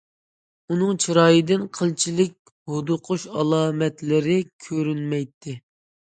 ئۇنىڭ چىرايىدىن قىلچىلىك ھودۇقۇش ئالامەتلىرى كۆرۈنمەيتتى.